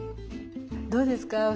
どうですか？